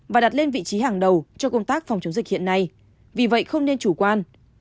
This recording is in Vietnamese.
và đặt lên vị trí hàng đầu cho công tác phòng chống dịch hiện nay vì vậy không nên chủ quan